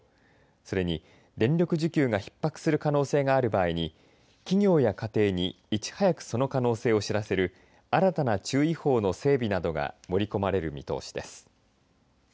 それに電力需給がひっ迫する可能性がある場合に企業や家庭にいち早くその可能性を知らせる新たな注意報の整備などが盛り込まれる見通しです。